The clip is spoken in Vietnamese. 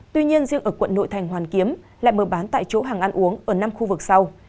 tuy nhiên riêng ở quận nội thành hoàn kiếm lại mở bán tại chỗ hàng ăn uống ở năm khu vực sau